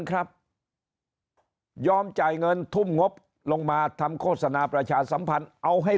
ครับยอมจ่ายเงินทุ่มงบลงมาทำโฆษณาประชาสัมพันธ์เอาให้